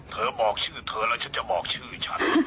เธอบอกชื่อเธอแล้วฉันจะบอกชื่อฉัน